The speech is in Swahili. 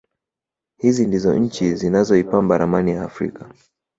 Hizi ndizo nchi zinazoipamba ramani ya Afrika